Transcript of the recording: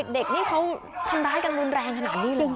เด็กนี่เขาทำร้ายกันรุนแรงขนาดนี้เลย